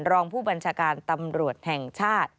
รองผู้บัญชาการตำรวจแห่งชาติ